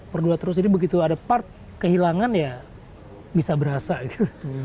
berdua terus jadi begitu ada part kehilangan ya bisa berasa gitu